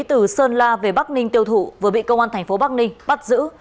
từ sơn la về bắc ninh tiêu thụ vừa bị công an tp bắc ninh bắt giữ